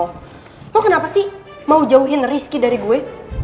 kamu kenapa sih mau jauhin rizky dari gue